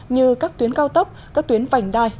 như các tuyến cao tốc các tuyến vành đai